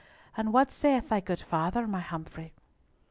And what saith thy good father, my Humfrey?"